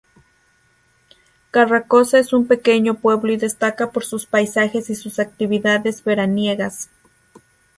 Carrascosa es un pequeño pueblo y destaca por sus paisajes y sus actividades veraniegas.